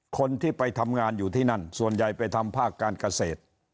คนที่ไปทำงานอยู่ที่นั่นส่วนใหญ่ไปทำภาคการเกษตร